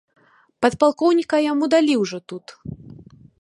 Падпалкоўніка яму далі ўжо тут.